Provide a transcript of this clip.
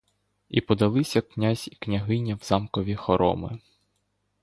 І подалися князь і княгиня в замкові хороми.